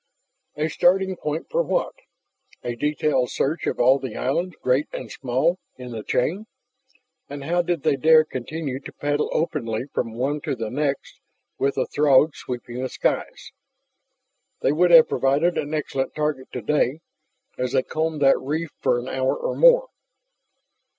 A starting point for what? A detailed search of all the islands, great and small, in the chain? And how did they dare continue to paddle openly from one to the next with the Throgs sweeping the skies? They would have provided an excellent target today as they combed that reef for an hour or more.